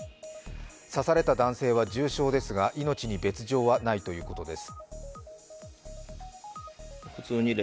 刺された男性は重傷ですが命に別状はないということです。